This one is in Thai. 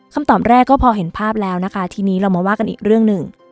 ตอนแรกก็พอเห็นภาพแล้วนะคะทีนี้เรามาว่ากันอีกเรื่องหนึ่ง